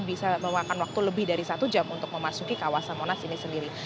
bisa memakan waktu lebih dari satu jam untuk memasuki kawasan monas ini sendiri